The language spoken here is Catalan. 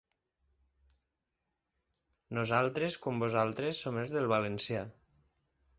Nosaltres, com vosaltres, som els del valencià.